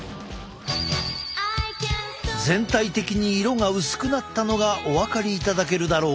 全体的に色が薄くなったのがお分かりいただけるだろうか？